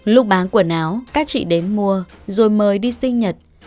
lúc bán quần áo các chị đến mua rồi mời đi sinh nhật